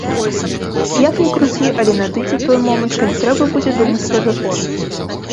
Як ні круці, але надыдзе той момант, калі трэба будзе думаць пра рэформы.